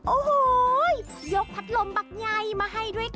โอ้โหยกพัดลมบักใยมาให้ด้วยค่ะ